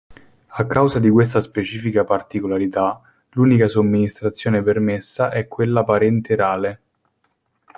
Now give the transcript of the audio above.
A causa di questa specifica particolarità, l'unica somministrazione permessa è quella parenterale.